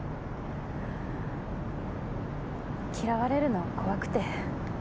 嫌われるの怖くて。